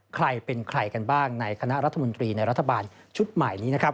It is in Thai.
ใครเป็นใครกันบ้างในคณะรัฐมนตรีในรัฐบาลชุดใหม่นี้นะครับ